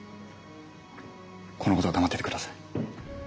このことは黙っててください。